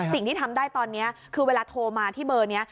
สิ่งที่ทำได้ตอนนี้คือเวลาโทรมาที่เบอร์นี้